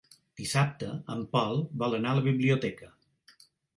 Dissabte en Pol vol anar a la biblioteca.